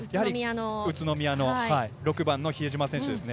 宇都宮の６番の比江島選手ですね。